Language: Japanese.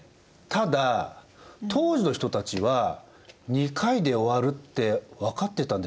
ただ当時の人たちは２回で終わるって分かってたんでしょうか？